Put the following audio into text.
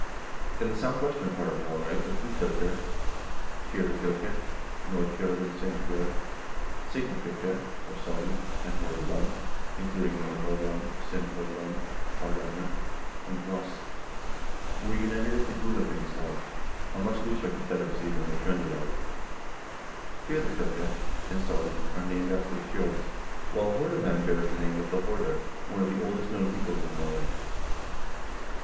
In the southwestern part of Norway the three fylker, FirSafylke (Nordfjord and S0ndfjord), Sygnafylke, or Sogn, and Hordaland (including Nordhordland, S0ndhordland, Hardanger, and Voss) were united in the Gulathingslag, a much looser confederacy than the Tr0ndelag. FirtSafylke and Sogn are named after the fjords, while Hordaland bears the name of the Horder, one of the oldest known peoples in Norway.